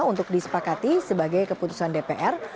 untuk disepakati sebagai keputusan dpr